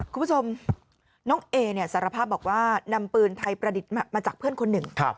คุณผู้ชมน้องเอเนี่ยสารภาพบอกว่านำปืนไทยประดิษฐ์มาจากเพื่อนคนหนึ่ง